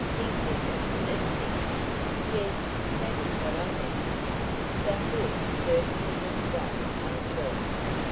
ze fitness of zings. Yes, zat is what I mean." The hood certainly looked well on Cora.